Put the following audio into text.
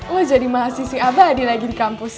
lo jadi mahasiswa abadi lagi di kampus